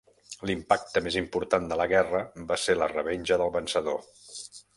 L'impacte més important de la guerra va ser la revenja del vencedor.